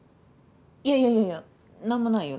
いやいやいやいや何もないよ。